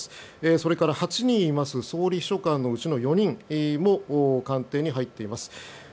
それから８人いる総理秘書官のうちの４人も官邸に入っています。